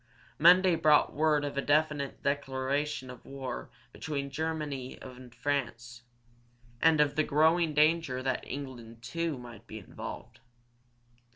Monday brought word of a definite declaration of war between Germany and France, and of the growing danger that England, too, might be involved.